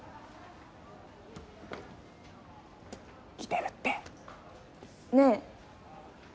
来てるって。ねぇ。